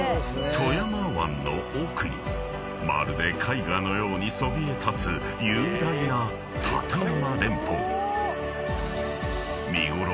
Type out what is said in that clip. ［富山湾の奥にまるで絵画のようにそびえ立つ雄大な立山連峰］